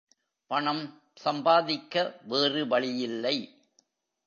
பணம் சம்பாதிக்க வேறு வழியில்லை.